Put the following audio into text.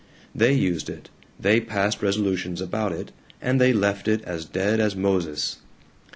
They used it, they passed resolutions about it, and they left it as dead as Moses.